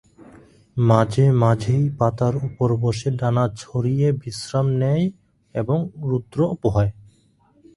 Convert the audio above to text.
মাঝে মাঝেই পাতার ওপর বসে ডানা ছড়িয়ে বিশ্রাম নেয় এবং রৌদ্র পোহায়।